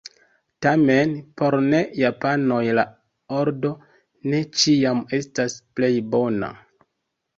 Tamen, por ne-japanoj la ordo ne ĉiam estas plej bona.